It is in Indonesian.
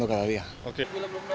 dan ini yang kita memakai